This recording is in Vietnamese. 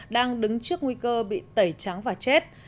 đang đứng trước nguy cơ bị tẩy trắng và chết